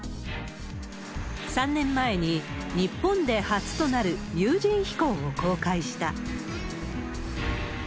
３年前に、日本で初となる有人飛行を公開した。